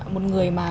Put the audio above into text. một người mà